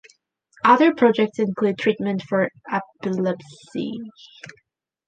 Other projects include treatment for epilepsy.